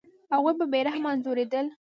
هغوی به بې رحمه انځورېدل.